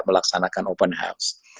melaksanakan open house